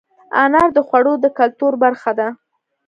انار د خوړو د کلتور برخه ده.